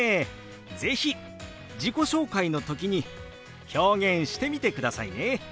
是非自己紹介の時に表現してみてくださいね。